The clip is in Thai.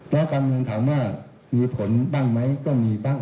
นักการเมืองถามว่ามีผลบ้างไหมก็มีบ้าง